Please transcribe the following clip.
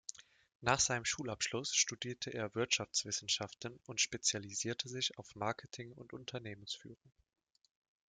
Nach seinem Schulabschluss studierte er Wirtschaftswissenschaften und spezialisierte sich auf Marketing und Unternehmensführung.